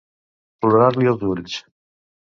Plorar-li els ulls.